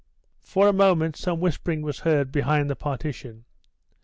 For a moment some whispering was heard behind the partition.